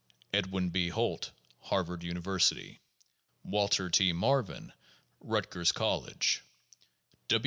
Edwin B. Holt, Harvard University. Waltee T. Maevin, Rutgers College.